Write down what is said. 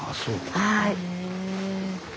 はい。